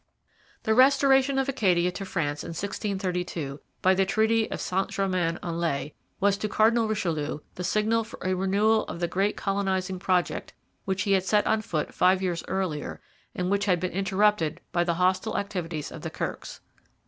The restoration of Acadia to France in 1632, by the Treaty of St Germain en Laye, was to Cardinal Richelieu the signal for a renewal of the great colonizing project which he had set on foot five years earlier and which had been interrupted by the hostile activities of the Kirkes.